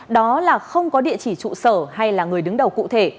đó là không có địa chỉ trụ sở hay là người đứng đầu cụ thể